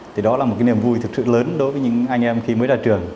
thì đó là một cái niềm vui thực sự lớn đối với những anh em khi mới ra trường